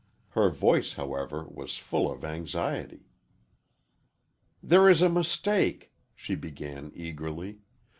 Her voice, however, was full of anxiety. "There is a mistake," she began eagerly.